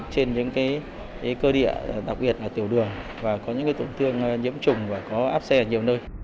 trên những cơ địa đặc biệt là tiểu đường và có những tổn thương nhiễm trùng và có áp xe ở nhiều nơi